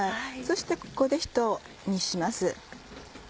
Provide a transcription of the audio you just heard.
そしてここでひと煮します。